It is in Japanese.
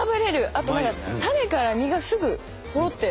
あと何か種から実がすぐほろって。